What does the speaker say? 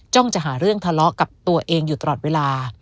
จะหาเรื่องทะเลาะกับตัวเองอยู่ตลอดเวลา